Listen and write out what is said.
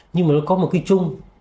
nhưng mà nó có một cái chung